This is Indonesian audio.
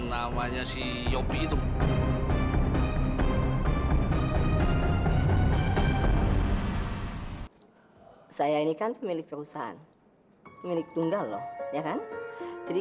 namanya si yopi itu saya ini kan pemilik perusahaan milik tunggal loh ya kan jadi